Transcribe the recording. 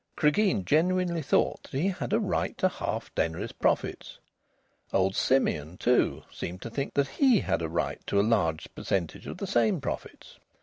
Cregeen genuinely thought that he had a right to half Denry's profits. Old Simeon, too, seemed to think that he had a right to a large percentage of the same profits.